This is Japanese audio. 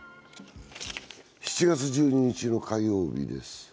７月１２日の火曜日です。